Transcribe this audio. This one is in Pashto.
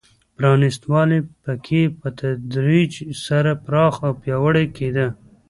پرانېست والی په کې په تدریج سره پراخ او پیاوړی کېده.